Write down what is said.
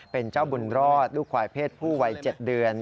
เป็นเจ้าบุญรอดลูกควายเพศผู้วัย๗เดือน